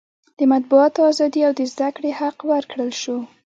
د مطبوعاتو ازادي او د زده کړې حق ورکړل شو.